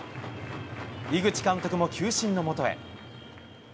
井口監督も球審のもとへ。